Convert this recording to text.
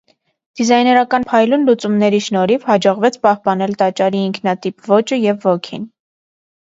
Դիզայներական փայլուն լուծումների շնորհիվ հաջողվեց պահպանել տաճարի ինքնատիպ ոճը և ոգին։